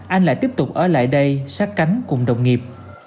anh lại tiếp tục ở lại đây sát cánh cùng đồng nghiệp